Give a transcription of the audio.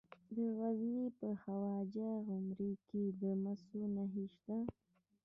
د غزني په خواجه عمري کې د مسو نښې شته.